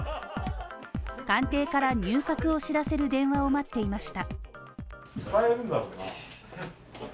官邸からの入閣を知らせる電話を待っていました。